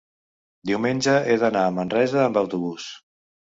diumenge he d'anar a Manresa amb autobús.